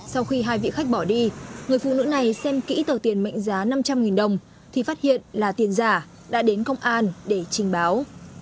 sau khi hai vị khách bỏ đi người phụ nữ này xem kỹ tờ tiền mệnh giá năm trăm linh đồng thì phát hiện là tiền giả đã đến công an để trình báo